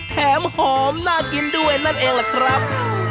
แถมหอมน่ากินด้วยนั่นเองล่ะครับ